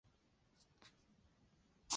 壸门过道顶有砖砌叠涩藻井。